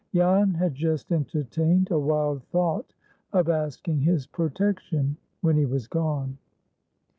Jan had just entertained a wild thought of asking his protection, when he was gone.